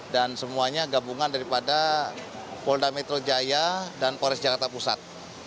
dan semuanya gabungan daripada polda metro jaya dan polres jakarta pusat